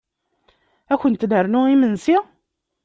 Ad kunt-nernu imensi?